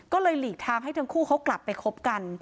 ก็เลยหลีกทางให้ทั้งคู่เขากลับไปคบกัน